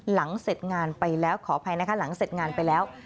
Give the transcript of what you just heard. หลังเสร็จงานไปแล้วขออภัยนะคะหลังเสร็จงานไปแล้ว